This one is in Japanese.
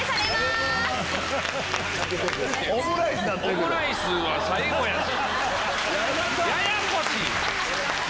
オムライスは最後やし。